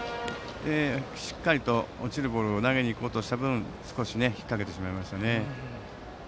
しっかりと落ちるボールを投げに行こうとした分少し引っ掛けてしまいましたね。